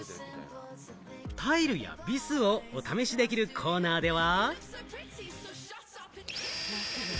タイルやビスをお試しできるコーナーでは。